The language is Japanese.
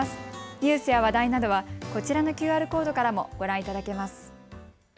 ニュースや話題などはこちらのＱＲコードからもご覧いただけます。